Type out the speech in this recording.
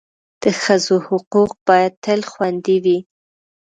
د ښځو حقوق باید تل خوندي وي.